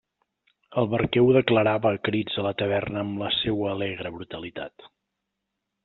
El barquer ho declarava a crits a la taverna amb la seua alegre brutalitat.